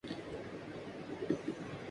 Arnold Schwarzenegger کی دو سال بعد دوسری ہارٹ سرجری